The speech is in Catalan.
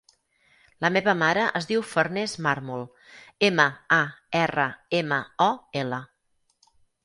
La meva mare es diu Farners Marmol: ema, a, erra, ema, o, ela.